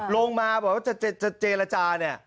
ลงมาบอกว่าจะเจรจาเนี่ย